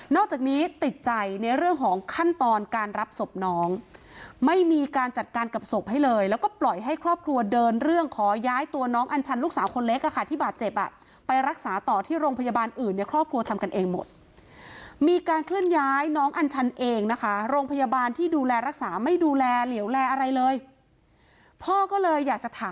จากนี้ติดใจในเรื่องของขั้นตอนการรับศพน้องไม่มีการจัดการกับศพให้เลยแล้วก็ปล่อยให้ครอบครัวเดินเรื่องขอย้ายตัวน้องอัญชันลูกสาวคนเล็กอ่ะค่ะที่บาดเจ็บอ่ะไปรักษาต่อที่โรงพยาบาลอื่นเนี่ยครอบครัวทำกันเองหมดมีการเคลื่อนย้ายน้องอัญชันเองนะคะโรงพยาบาลที่ดูแลรักษาไม่ดูแลเหลวแลอะไรเลยพ่อก็เลยอยากจะถาม